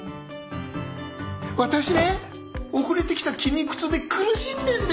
私ね遅れてきた筋肉痛で苦しんでんですよ。